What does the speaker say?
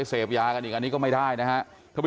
คือไม่ใช่อยากกลับบ้านปล่อยกลับบ้านแล้วไปเสพยากันอีก